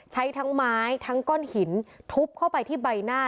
ใช้ทั้งไม้ทั้งก้อนหินทุบเข้าไปที่ใบหน้า